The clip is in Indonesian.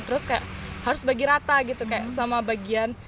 terus kayak harus bagi rata gitu kayak sama bagian